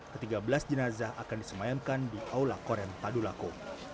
ke tiga belas jenazah akan disemayamkan di aula korem tadulako